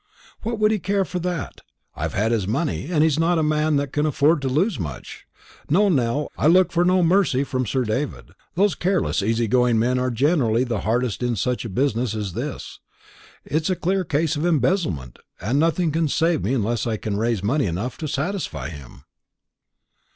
"What would he care for that? I've had his money, and he's not a man that can afford to lose much. No, Nell, I look for no mercy from Sir David; those careless easy going men are generally the hardest in such a business as this. It's a clear case of embezzlement, and nothing can save me unless I can raise money enough to satisfy him."